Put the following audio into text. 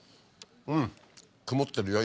うんくもってるよ。